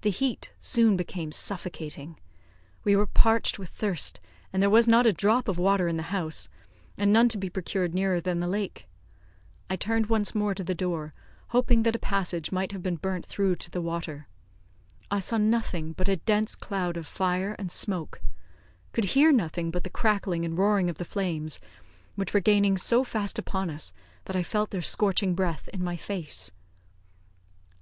The heat soon became suffocating. We were parched with thirst, and there was not a drop of water in the house, and none to be procured nearer than the lake. I turned once more to the door, hoping that a passage might have been burnt through to the water. I saw nothing but a dense cloud of fire and smoke could hear nothing but the crackling and roaring of the flames, which were gaining so fast upon us that I felt their scorching breath in my face.